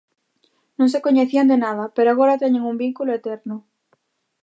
Non se coñecían de nada, pero agora teñen un vínculo eterno.